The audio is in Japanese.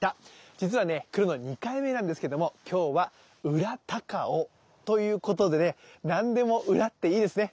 じつはね来るの２回目なんですけども今日は裏高尾ということでね何でも裏っていいですね。